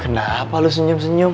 kenapa lo senyum senyum